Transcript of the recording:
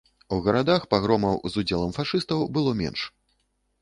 У гарадах пагромаў, з удзелам фашыстаў, было менш.